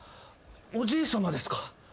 おじいさまですか？